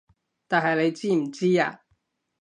但係你知唔知啊